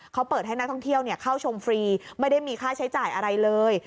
เขาเปิดให้นักท่องเที่ยวเข้าชมฟรีไม่ได้มีค่าใช้จ่ายอะไรเลย